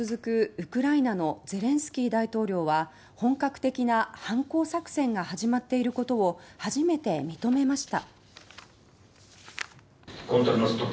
ウクライナのゼレンスキー大統領は本格的な反攻作戦が始まっていることを初めて認めました。